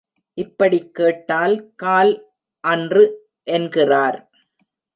இப்படிக் கேட்டால், கால் அன்று என்கிறார்.